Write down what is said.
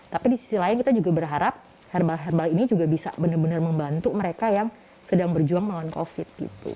tapi di sisi lain kita juga berharap herbal herbal ini juga bisa benar benar membantu mereka yang sedang berjuang melawan covid gitu